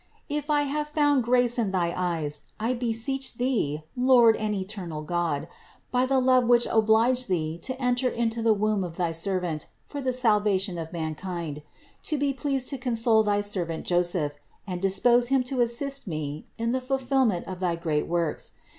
If I have found grace in thy eyes, I beseech Thee, Lord and eternal God, by the love which obliged Thee to enter into the womb of thy servant for the salvation of man 316 CITY OF GOD kind, to be pleased to console thy servant Joseph and dis pose him to assist me in the fulfillment of thy great works.